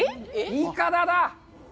いかだだ！